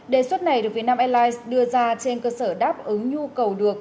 đề xuất này được vietnam airlines đưa ra trên cơ sở đáp ứng nhu cầu được